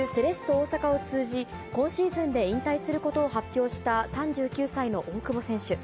大阪を通じ、今シーズンで引退することを発表した３９歳の大久保選手。